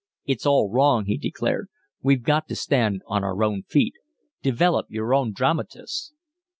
"It's all wrong," he declared. "We've got to stand on our own feet. Develop your own dramatists!"